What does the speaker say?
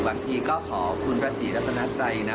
เราก็ขอคุณประสวยาธนาใจ